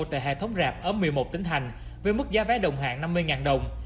tại hệ thống rạp ở một mươi một tỉnh hành với mức giá vé đồng hạng năm mươi đồng